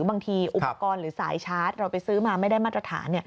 บางทีอุปกรณ์หรือสายชาร์จเราไปซื้อมาไม่ได้มาตรฐาน